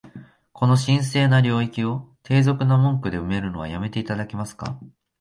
この神聖な領域を、低俗な文句で埋めるのは止めて頂けますか？